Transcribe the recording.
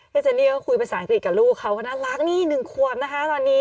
ทีนี้ก็คุยภาษาอังกฤษกับลูกเขา